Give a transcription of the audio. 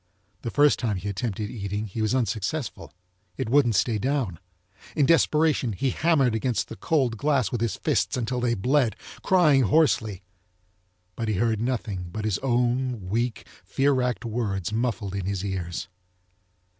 The first time he attempted eating he was unsuccessful, it wouldn't stay down. In desperation he hammered against the cold glass with his fists until they bled, crying hoarsely, but he heard nothing but his own weak, fear wracked words muffled in his ears.